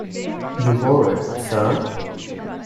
You wore it, sir?